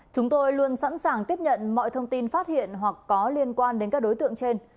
chúng tôi luôn sẵn sàng tiếp nhận mọi thông tin phát hiện hoặc có liên quan đến các đối tượng trên